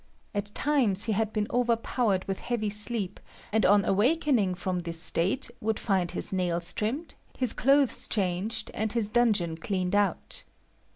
At times he had been overpowered with heavy sleep, and on awakening from this state would find his nails trimmed, his clothes changed, and his dungeon cleaned out.